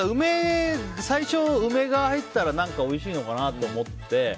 最初、梅が入ってたらおいしいのかなと思って。